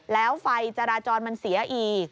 แล้วไฟจราจรมันเสียอีก